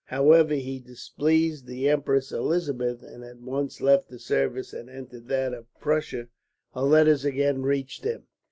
When, however, he displeased the Empress Elizabeth, and at once left the service and entered that of Prussia, her letters again reached him.